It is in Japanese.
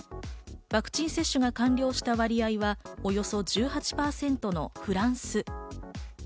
ワクチン接種が完了した割合がおよそ１８％のフランス。